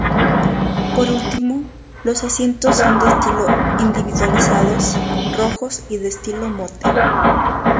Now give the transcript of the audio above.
Por último, los asientos son de estilo individualizados, rojos y de estilo "Motte".